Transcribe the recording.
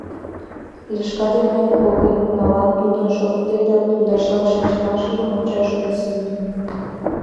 Лешка дене когыньналан тудын шортде да пундышла шинчымыжым ончаш йӧсӧ ыле.